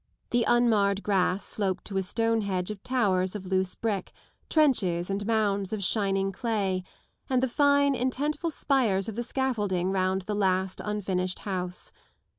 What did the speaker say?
The unmarred grass sloped to a stone*hedge of towers of loose brick, trenches and mounds of shining clay, and the fine intentful spires of the scaffording round the last un finished house.